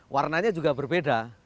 warnanya juga berbeda